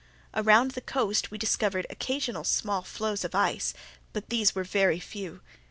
Around the coast we discovered occasional small floes of ice—but these were very few.